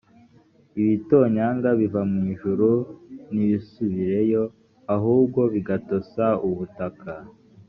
ibitonyanga biva mu ijuru ntibisubireyo ahubwo bigatosa ubutaka